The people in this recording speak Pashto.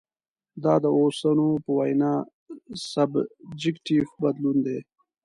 دا د اوسنو په وینا سبجکټیف بدلون دی.